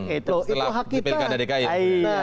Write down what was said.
itu hak kita